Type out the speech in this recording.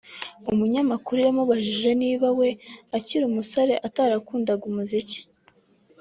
umunyamakuru yamubajije niba we akiri umusore atarakundaga umuziki